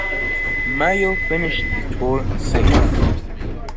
Mayo finished the Tour sixth.